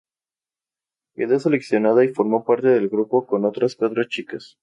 Quedó seleccionada, y formó parte del grupo, con otras cuatro chicas.